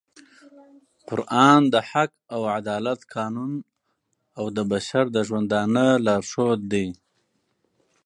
قرآن د حق او عدالت قانون او د بشر د ژوندانه لارښود دی